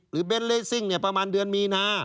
หรือเบนเรสซิงประมาณเดือนมีหน้า